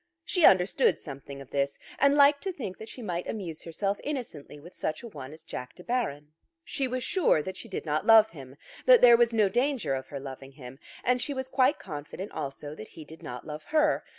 She understood something of this, and liked to think that she might amuse herself innocently with such a one as Jack De Baron. She was sure that she did not love him, that there was no danger of her loving him; and she was quite confident also that he did not love her.